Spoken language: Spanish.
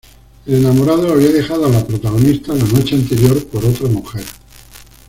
El enamorado había dejado a la protagonista la noche anterior por otra mujer.